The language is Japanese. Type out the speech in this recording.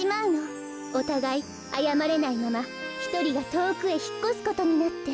おたがいあやまれないままひとりがとおくへひっこすことになって。